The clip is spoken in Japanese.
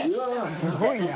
すごいな。